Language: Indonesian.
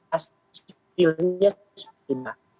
hasilnya sudah keluar